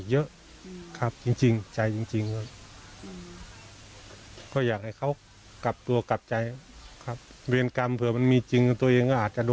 เยอะครับจริงใจจริงก็อยากให้เขากลับตัวกลับใจครับเรียนกรรมเผื่อมันมีจริง